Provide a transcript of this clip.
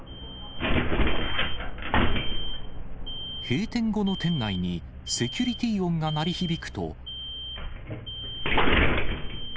閉店後の店内に、セキュリティ音が鳴り響くと。